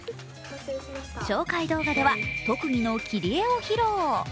紹介動画では特技の切り絵を披露。